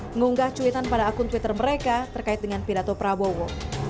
mengunggah cuitan pada akun twitter mereka terkait dengan pidato prabowo